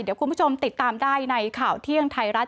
เดี๋ยวคุณผู้ชมติดตามได้ในข่าวเที่ยงไทยรัฐ